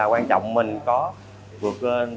nên là quan trọng mình có vượt lên